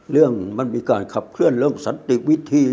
เรื่องมันมีการขับเคลื่อนเรื่องสันติวิธี